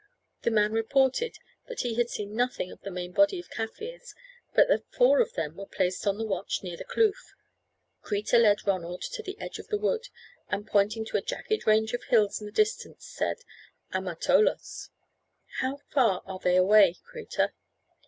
The man reported that he had seen nothing of the main body of Kaffirs, but that four of them were placed on the watch near the kloof. Kreta led Ronald to the edge of the wood, and pointing to a jagged range of hills in the distance said, "Amatolas." "How far are they away, Kreta?"